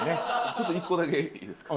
ちょっと一個だけいいですか？